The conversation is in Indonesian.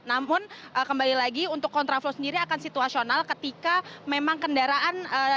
namun kembali lagi untuk kontraflow sendiri akan situasional ketika memang kendaraan